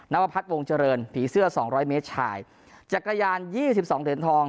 นวพัฒน์วงศ์เจริญผีเสื้อ๒๐๐เมตรชายจักรยาน๒๒เหรียญทอง